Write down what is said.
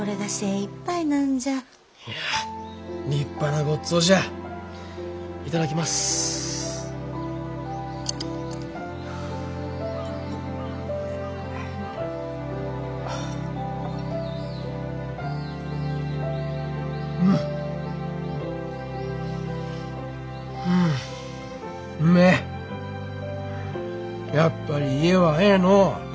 やっぱり家はええのう。